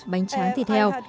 bánh tráng thịt heo